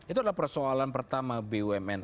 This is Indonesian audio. itu adalah persoalan pertama bumn